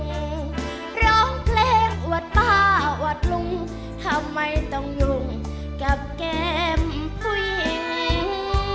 ร้องเพลงอวดป้าอวดลุงทำไมต้องยุ่งกับแก้มผู้หญิง